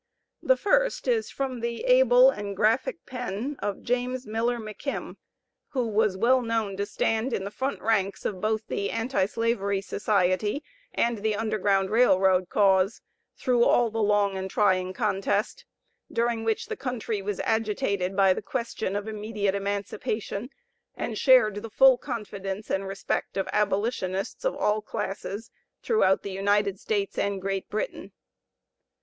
The first is from the able and graphic pen of James Miller McKim, who was well known to stand in the front ranks of both the Anti slavery Society and the Underground Rail Road cause through all the long and trying contest, during which the country was agitated by the question of immediate emancipation, and shared the full confidence and respect of Abolitionists of all classes throughout the United States and Great Britain.